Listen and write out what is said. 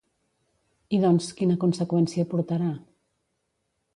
I doncs, quina conseqüència portarà?